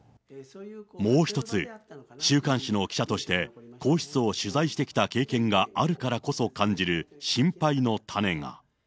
もう１つ、週刊誌の記者として、皇室を取材してきた経験があるからこそ感じる心配の種が。